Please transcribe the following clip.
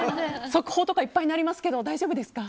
速報とかいっぱい鳴りますけど大丈夫ですか？